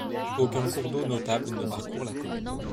Aucun cours d'eau notable ne parcourt la commune.